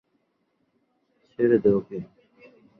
ছেঁড়ে দে ওকে!